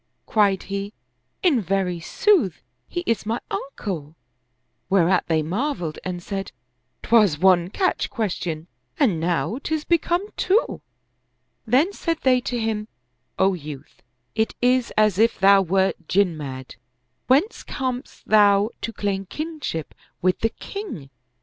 Cried he, " In very sooth, he is my uncle "; whereat they marveled and said, " 'Twas one catch question and now 'tis become two." Then said they to him, " O youth, it is as if 72 The Scar on the Throat thou wcrt Jinn mad. Whence comest thou to claim kinship with the king?